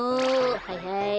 はいはい。